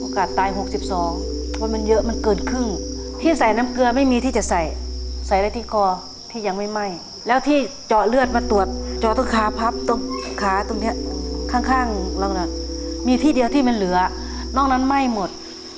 เพราะมันเยอะมันเกินครึ่งที่ใส่น้ำเกลือไม่มีที่จะใส่ใส่อะไรที่คอที่ยังไม่ไหม้แล้วที่เจาะเลือดมาตรวจเจาะตรงขาพับตรงขาตรงเนี้ยข้างเราน่ะมีที่เดียวที่มันเหลือนอกนั้นไหม้หมด